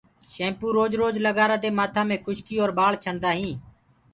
شيمپو روج روج لگآرآ دي مآٿآ مي کُشڪي اور ٻآݪ ڇڻدآ هينٚ۔